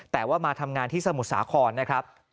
แต่ว่ามาทำงานที่สมุทรสาครนะครับ